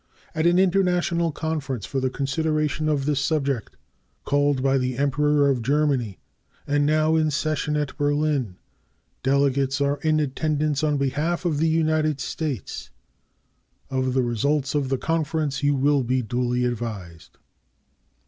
At an international conference for the consideration of this subject called by the Emperor of Germany, and now in session at Berlin, delegates are in attendance on behalf of the United States. Of the results of the conference you will be duly advised.